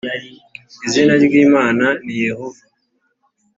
izina ry imana ni yehova .